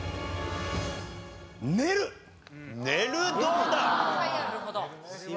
寝るどうだ？